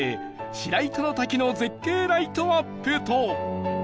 白糸の滝の絶景ライトアップと